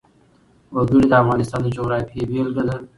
وګړي د افغانستان د جغرافیې بېلګه ده.